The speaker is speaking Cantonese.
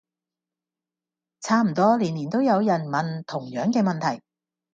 差唔多年年都有人問同樣既問題